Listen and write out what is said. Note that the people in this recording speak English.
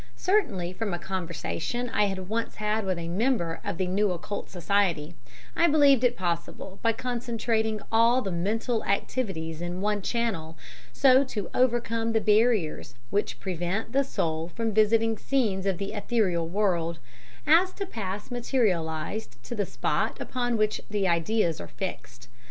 Certainly, from a conversation I had once had with a member of the New Occult Society, I believed it possible by concentrating all the mental activities in one channel, so to overcome the barriers which prevent the soul visiting scenes of the ethereal world, as to pass materialized to the spot upon which the ideas are fixed.